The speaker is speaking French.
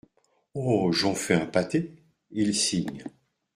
Oh ! j'ons fait un pâté … il signe.